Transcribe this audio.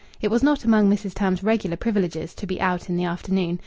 It was not among Mrs. Tams's regular privileges to be out in the afternoon.